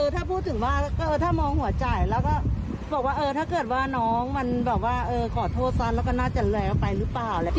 ถ้าพูดถึงว่าถ้ามองหัวจ่ายแล้วก็บอกว่าถ้าเกิดว่าน้องมันแบบว่าขอโทษซะแล้วก็น่าจะแล้วไปหรือเปล่า